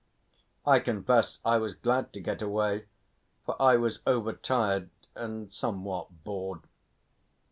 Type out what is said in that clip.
I confess I was glad to get away, for I was overtired and somewhat bored.